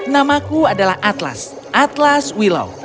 namaku adalah atlas atlas wilau